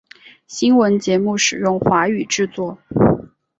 新闻节目使用华语制作。